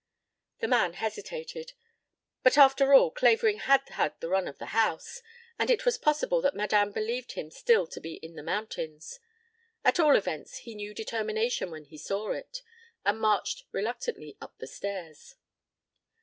The man hesitated, but after all Clavering had had the run of the house, and it was possible that Madame believed him still to be in the mountains. At all events he knew determination when he saw it, and marched reluctantly up the stairs.